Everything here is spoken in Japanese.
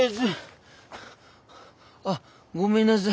あっごめんなさい。